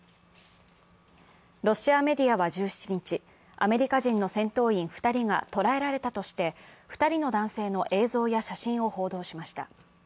ロシアメディアは１７日、アメリカ人の戦闘員２人が捕らえられたとして、２人の男性の映像や写真を報道しました。